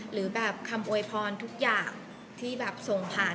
หรือแบบคำโวยพรทุกอย่างที่แบบส่งผ่าน